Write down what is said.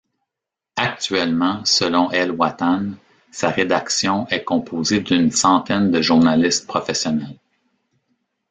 Actuellement, selon El Watan, sa rédaction est composée d’une centaine de journalistes professionnels.